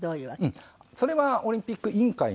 それはオリンピック委員会の方で。